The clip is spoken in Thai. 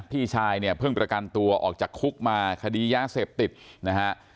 พี่ชายเนี่ยเพิ่งประกันตัวออกจากคุกมาคดียาเสพติดนะฮะ